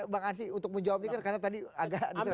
bang arsi untuk menjawab ini kan karena tadi agak diserahkan